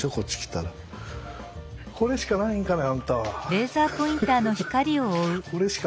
これしかないんですかあんたは。